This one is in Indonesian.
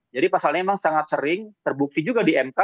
jadi pasalnya memang sangat sering terbukti juga di mk